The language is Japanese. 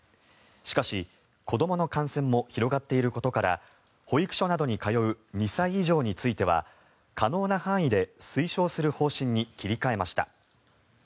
しかし、子どもの感染も広がっていることから保育所などに通う２歳以上については可能な範囲で推奨する方針に切り替えました。